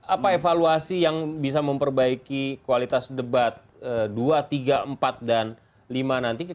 apa evaluasi yang bisa memperbaiki kualitas debat dua tiga empat dan lima nanti